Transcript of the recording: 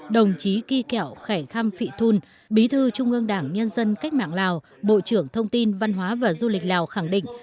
đồng chí kỳ kẹo khải khăm phị thun bí thư trung ương đảng nhân dân cách mạng lào bộ trưởng thông tin văn hóa và du lịch lào khẳng định